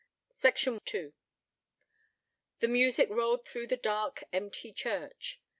II The music rolled through the dark, empty church.